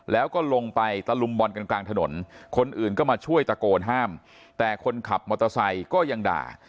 แล้วก็ลงไปตะลุมบอลกันกลางถนนคนอื่นก็มาช่วยตะโกนห้ามแต่คนขับมอเตอร์ไซค์ก็ยังด่า